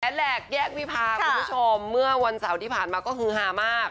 แหลกแยกวิพาคุณผู้ชมเมื่อวันเสาร์ที่ผ่านมาก็คือฮามาก